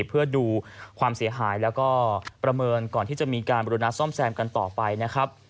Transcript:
เพื่อดูความเสียหายแล้วก็ประเมินก่อนที่จะมีการบริณาซ่อมแซมกันต่อไปนะครับ